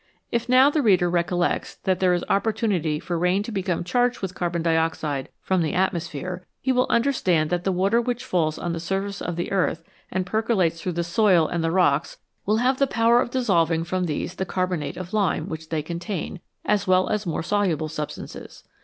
If now the reader recollects that there is opportunity for rain to become charged with carbon dioxide from the atmosphere, he will understand that the water which falls on the surface of the earth and percolates through the soil and the rocks will have the power of 99 NATURAL WATERS dissolving from these the carbonate of lime which they contain, as well as more soluble substances.